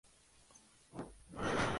Cladograma modificado de Evans "et al.